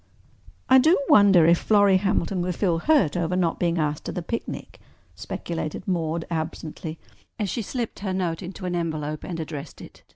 "I do wonder if Florrie Hamilton will feel hurt over not being asked to the picnic," speculated Maude absently as she slipped her note into an envelope and addressed it.